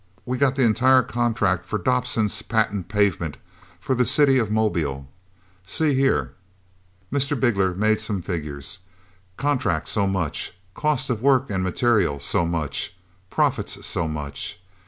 We've got the entire contract for Dobson's Patent Pavement for the city of Mobile. See here." Mr. Bigler made some figures; contract so much, cost of work and materials so much, profits so much.